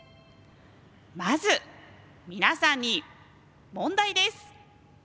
まず皆さんに問題です。